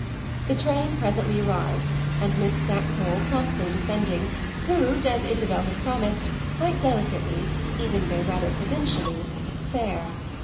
The train presently arrived, and Miss Stackpole, promptly descending, proved, as Isabel had promised, quite delicately, even though rather provincially, fair.